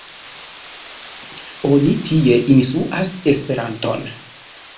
Oni tie instruas Esperanton.